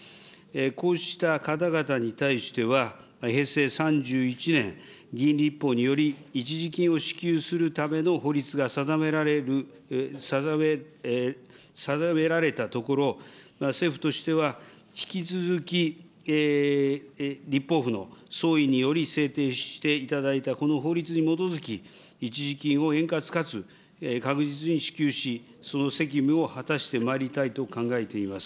こうした方々に対しては、平成３１年、議員立法により、一時金を支給するための法律が定められる、定められたところ、政府としては引き続き立法府の総意により制定していただいたこの法律に基づき、一時金を円滑かつ確実に支給し、その責務を果たしてまいりたいと考えています。